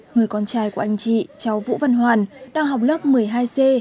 người con trai của anh chị cháu vũ văn hoàn đang học lớp một mươi hai c